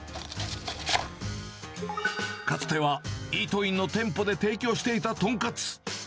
かつてはイートインの店舗で提供していたとんかつ。